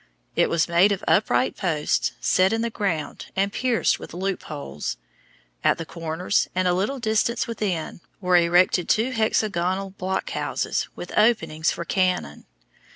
It was made of upright posts set in the ground and pierced with loopholes. At the corners, and a little distance within, were erected two hexagonal blockhouses with openings for cannon.